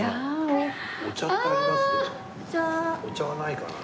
お茶はないかな？